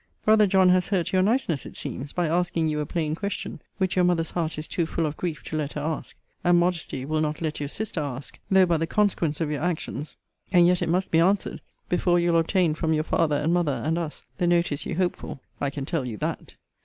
Brother John has hurt your niceness, it seems, by asking you a plain question, which your mother's heart is too full of grief to let her ask; and modesty will not let your sister ask; though but the consequence of your actions and yet it must be answered, before you'll obtain from your father and mother, and us, the notice you hope for, I can tell you that.